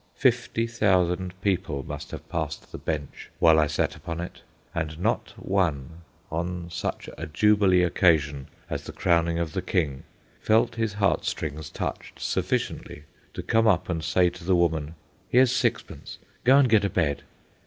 Fifty thousand people must have passed the bench while I sat upon it, and not one, on such a jubilee occasion as the crowning of the King, felt his heart strings touched sufficiently to come up and say to the woman: "Here's sixpence; go and get a bed."